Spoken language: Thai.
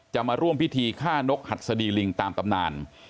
มาร่วมพิธีฆ่านกหัดสดีลิงตามตำนาน